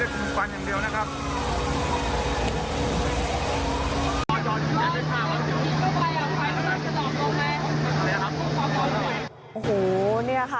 เหลือได้คุมฟันอย่างเดียวนะครับ